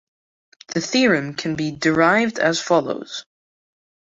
The theorem can be derived as follows.